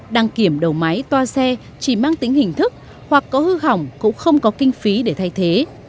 đăng kiểm đầu máy toa xe chỉ mang tính hình thức hoặc có hư hỏng cũng không có kinh phí để thay thế